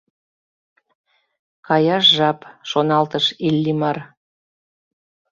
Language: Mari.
Каяш жап, шоналтыш Иллимар.